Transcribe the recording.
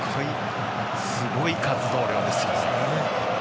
すごい活動量ですね。